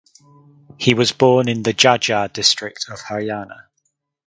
He was born in the Jhajjar district of Haryana.